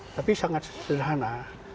tapi sangat sederhana